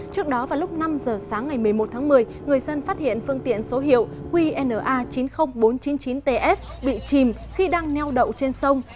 trước đó vào lúc năm giờ sáng ngày một mươi một tháng một mươi người dân phát hiện phương tiện số hiệu qna chín mươi nghìn bốn trăm chín mươi chín ts bị chìm khi đang neo đậu trên sông